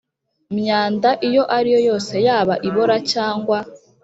myanda iyo ari yo yose yaba ibora cyangwa